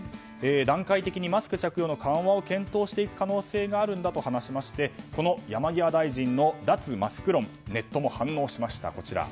段階的にマスク着用の緩和を検討していく可能性があるんだと話しましてこの、山際大臣の脱マスク論ネットも反応しました。